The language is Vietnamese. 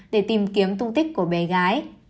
để tìm kiếm tung tích của bé gái